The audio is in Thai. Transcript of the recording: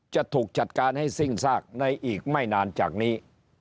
จะถูกจัดการให้สิ้นซากในอีกไม่นานจากนี้